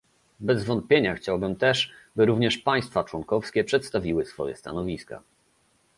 Bez wątpienia chciałbym też, by również państwa członkowskie przedstawiły swoje stanowiska